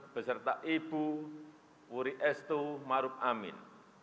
beserta ibu wuri estu ma ruf amin